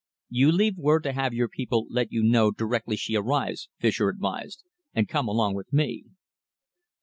"You leave word to have your people let you know directly she arrives," Fischer advised, "and come along with me."